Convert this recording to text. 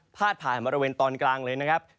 ผ่านบริเวณตอนกลางเลยนะครับ